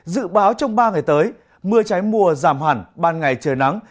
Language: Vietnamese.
dự báo trong ba ngày tới mưa trái mùa giảm hẳn ban ngày trời nắng